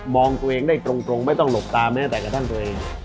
องตัวเองได้ตรงไม่ต้องหลบตามแม้แต่กระทั่งตัวเอง